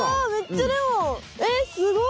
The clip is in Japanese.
えっすごい！